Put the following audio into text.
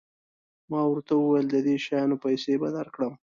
ما ورته وویل د دې شیانو پیسې به درکړم.